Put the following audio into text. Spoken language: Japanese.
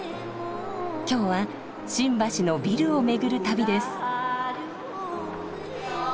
今日は新橋のビルを巡る旅です。